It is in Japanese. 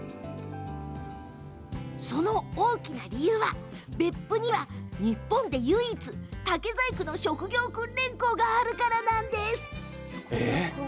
その大きな理由は別府に日本で唯一という竹細工の職業訓練校があるからなんです。